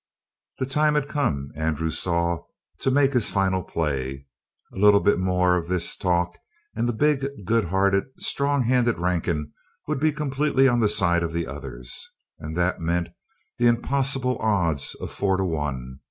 The time had come, Andrew saw, to make his final play. A little more of this talk and the big, good hearted, strong handed Rankin would be completely on the side of the others. And that meant the impossible odds of four to one.